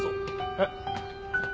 えっ？